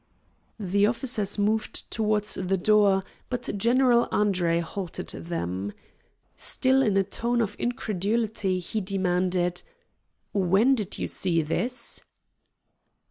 The officers moved toward the door, but General Andre halted them. Still in a tone of incredulity, he demanded: "When did you see this?"